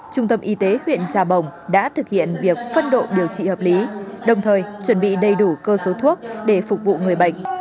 trung tâm y tế huyện trà bồng đã thực hiện việc phân độ điều trị hợp lý đồng thời chuẩn bị đầy đủ cơ số thuốc để phục vụ người bệnh